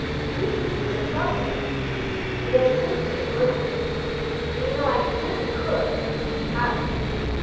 We can do it lovely. We have plenty of room, and you know I CAN cook and keep house.